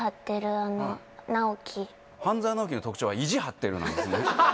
半沢直樹の特徴は意地張ってるなんですね